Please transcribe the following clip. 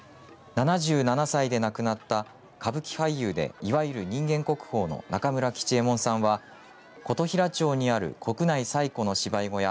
７７歳で亡くなった歌舞伎俳優でいわゆる人間国宝の中村吉右衛門さんは琴平町にある国内最古の芝居小屋